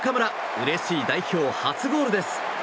うれしい代表初ゴールです。